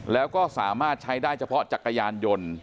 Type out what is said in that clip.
แล้วก็สามารถใช้ได้เฉพาะจักรยานยนต์